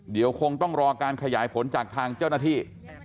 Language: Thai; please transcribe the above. เดี๋ยวคงต้องรอการขยายผลจากทางเจ้าหน้าที่